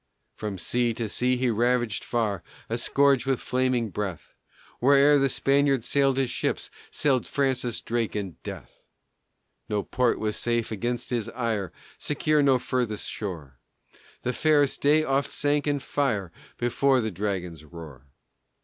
From sea to sea he ravaged far, A scourge with flaming breath Where'er the Spaniard sailed his ships Sailed Francis Drake and Death. No port was safe against his ire, Secure no furthest shore; The fairest day oft sank in fire Before the Dragon's roar.